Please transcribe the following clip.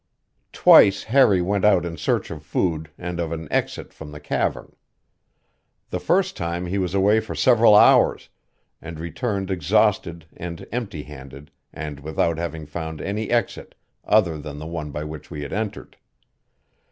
Twice Harry went out in search of food and of an exit from the cavern. The first time he was away for several hours, and returned exhausted and empty handed and without having found any exit other than the one by which we had entered.